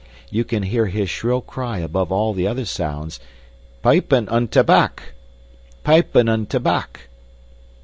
You can hear his shrill cry above all the other sounds, "Pypen en tabac! Pypen en tabac!"